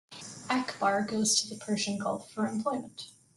Akbar goes to the Persian Gulf for employment.